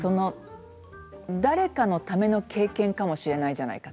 誰かのための経験かもしれないじゃないか